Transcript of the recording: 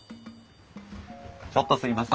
ちょっとすいません。